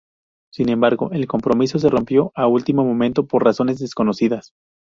Sin embargo, el compromiso se rompió a último momento por razones desconocidas.